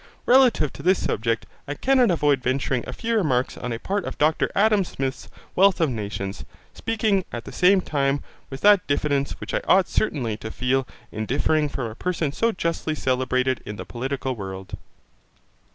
Relative to this subject, I cannot avoid venturing a few remarks on a part of Dr Adam Smith's Wealth of Nations, speaking at the same time with that diffidence which I ought certainly to feel in differing from a person so justly celebrated in the political world.